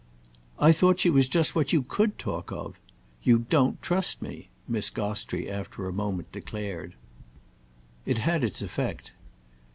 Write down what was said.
"I thought she was just what you could talk of. You don't trust me," Miss Gostrey after a moment declared. It had its effect.